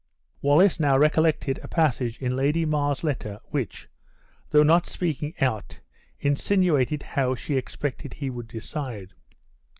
Wallace now recollected a passage in Lady Mar's letter which, though not speaking out, insinuated how she expected he would decide.